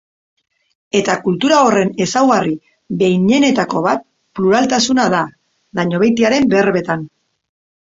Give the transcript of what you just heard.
Eta kultura horren ezaugarri behinenetako bat pluraltasuna da, Dañobeitiaren berbetan.